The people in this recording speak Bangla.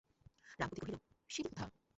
রমাপতি কহিল, সে কী কথা!